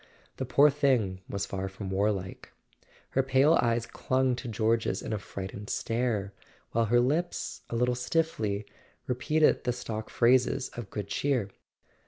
The poor thing was far from warlike: her pale eyes clung to George's in a frightened stare, while her lips, a little stiffly, repeated the stock phrases of good cheer.